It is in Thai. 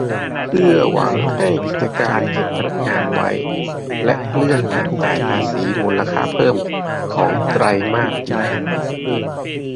เพื่อหวังให้กิจการเก็บพนักงานไว้ และเลื่อนการจ่ายภาษีมูลค่าเพิ่มของไตรมาสหน้า